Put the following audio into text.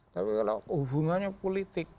tapi kalau hubungannya politik